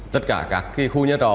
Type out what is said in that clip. tất cả các khu nhà trò